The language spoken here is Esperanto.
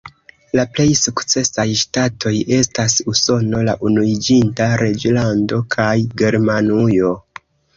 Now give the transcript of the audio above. La plej sukcesaj ŝtatoj estas Usono, la Unuiĝinta Reĝlando kaj Germanujo.